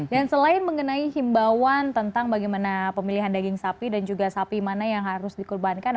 dan selain mengenai himbauan tentang bagaimana pemilihan daging sapi dan juga sapi mana yang harus dikurbankan